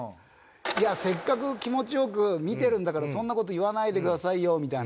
「いやせっかく気持ちよく見てるんだからそんなこと言わないでくださいよ」みたいな。